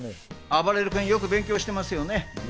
あばれる君、よく勉強してますよね。